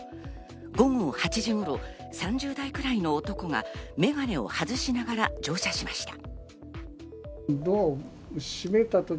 午後８時頃、３０代くらいの男が眼鏡を外しながら乗車しました。